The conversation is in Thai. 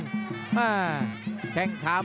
เสริมหักทิ้งลงไปครับรอบเย็นมากครับ